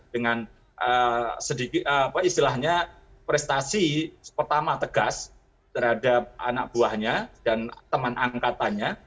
dengan istilahnya prestasi pertama tegas terhadap anak buahnya dan teman angkatannya